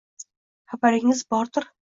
Xabaringiz bordir?